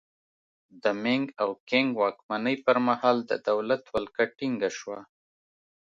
د مینګ او کینګ واکمنۍ پرمهال د دولت ولکه ټینګه شوه.